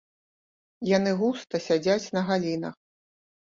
Яны густа сядзяць на галінах.